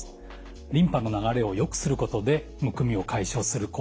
リンパの流れをよくすることでむくみを解消する効果があります。